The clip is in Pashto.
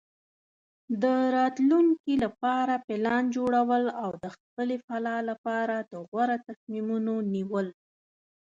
د راتلونکي لپاره پلان جوړول او د خپلې فلاح لپاره د غوره تصمیمونو نیول.